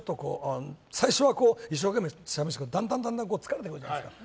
最初は一生懸命伝えますけどだんだん疲れてくるじゃないですか。